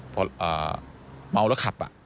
เพราะเมาแล้วขับ